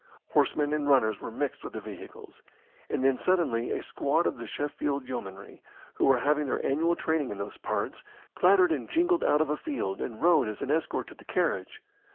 Horsemen and runners were mixed with the vehicles. And then suddenly a squad of the Sheffield Yeomanry, who were having their annual training in those parts, clattered and jingled out of a field, and rode as an escort to the carriage.